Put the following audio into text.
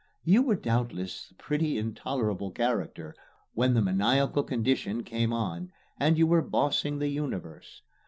You were doubtless a pretty intolerable character when the maniacal condition came on and you were bossing the universe.